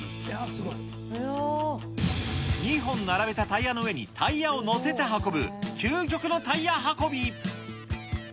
２本並べたタイヤの上にタイヤを載せて運ぶ、究極のタイヤ運び。